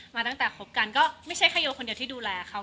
มาตั้งแต่คบกันก็ไม่ใช่แค่โยคนเดียวที่ดูแลเขา